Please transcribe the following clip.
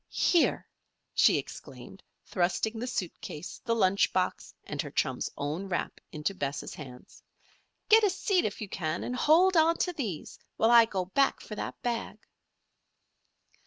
"Here!" she exclaimed, thrusting the suit case, the lunch box, and her chum's own wrap into Bess' hands. "Get a seat if you can and hold on to these while I go back for that bag."